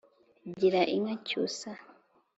Gira inka Cyusa